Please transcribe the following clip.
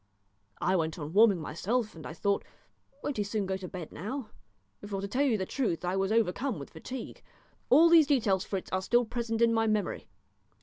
I went on warming myself, and I thought, 'Won't he soon go to bed now?' for, to tell you the truth, I was overcome with fatigue. All these details, Fritz, are still present in my memory.